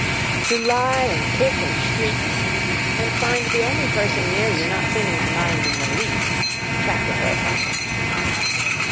To lie and kick and shriek, and find the only person near you not seeming to mind in the least, attracted her attention.